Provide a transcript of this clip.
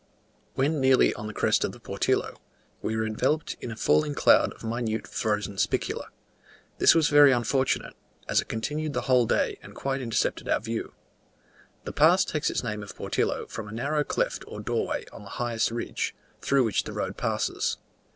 When nearly on the crest of the Portillo, we were enveloped in a falling cloud of minute frozen spicula. This was very unfortunate, as it continued the whole day, and quite intercepted our view. The pass takes its name of Portillo, from a narrow cleft or doorway on the highest ridge, through which the road passes.